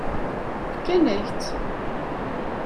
Fkan-ak-tt.